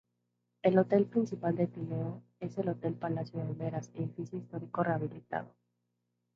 El Hotel Principal de Tineo es el Hotel palacio de Meras edificio histórico rehabilitado.